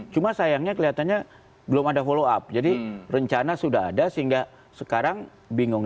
cuma sayangnya kelihatannya belum ada follow up jadi rencana sudah ada sehingga sekarang bingung